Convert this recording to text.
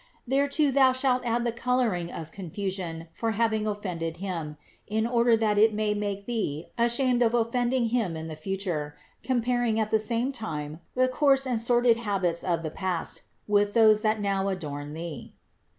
Thereto thou shalt add the coloring of con fusion for having offended Him, in order that it may make thee ashamed of offending Him in the future, com paring at the same time the coarse and sordid habits of the past with those that now adorn thee."